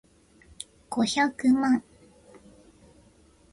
五百万